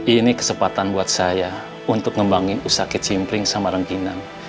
ini kesempatan buat saya untuk ngembangin usakit simpling sama rengginang